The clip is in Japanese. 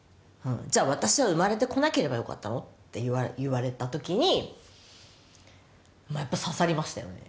「じゃあ私は生まれてこなければよかったの？」って言われた時にやっぱ刺さりましたよね。